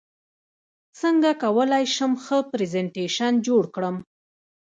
څنګه کولی شم ښه پرزنټیشن جوړ کړم